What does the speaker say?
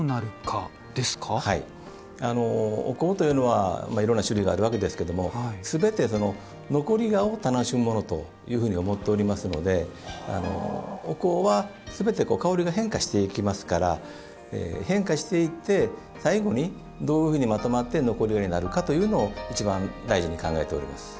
お香というのは、いろんな種類があるわけですがすべて残り香を楽しむものと思っておりますのでお香はすべて香りが変化していきますから変化していて、最後にどういうふうにまとまって残り香になるかというのを一番大事に考えております。